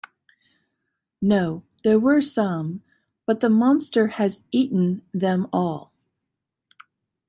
No; there were some, but the monster has eaten them all.